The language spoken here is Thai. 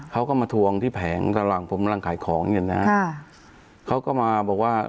เขาก็มาทวงที่แผงกำลังผมกำลังขายของเนี่ยนะฮะเขาก็มาบอกว่า